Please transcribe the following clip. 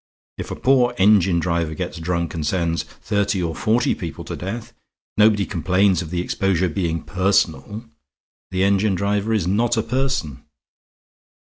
If a poor engine driver gets drunk and sends thirty or forty people to death, nobody complains of the exposure being personal. The engine driver is not a person."